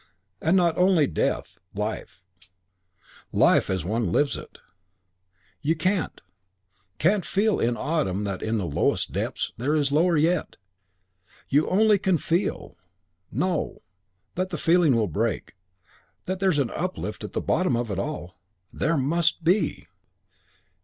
And not only death, Life. Life as one lives it. You can't, can't feel in autumn that in the lowest depths there is lower yet. You only can feel, know, that the thing will break, that there's an uplift at the bottom of it all. There must be."